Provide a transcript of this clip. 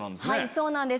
そうなんです。